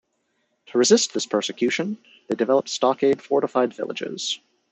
To resist this persecution, they developed stockade-fortified villages.